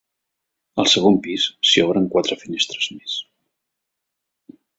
Al segon pis s'hi obren quatre finestres més.